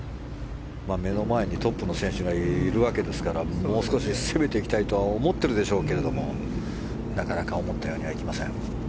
目の前にトップの選手がいるわけですからもう少し攻めていきたいとは思っているでしょうがなかなか思ったようにはいきません。